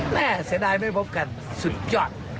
ฮ่าแสดงไม่พบกันสุดยอด